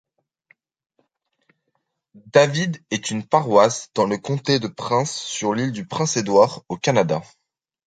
David est une paroisse dans le comté de Prince sur l'Île-du-Prince-Édouard, au Canada.